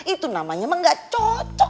itu namanya mah enggak cocok